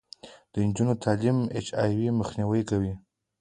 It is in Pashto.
د نجونو تعلیم د اچ آی وي مخنیوی کوي.